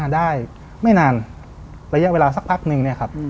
ได้ไม่นานระยะเวลาสักพักนึง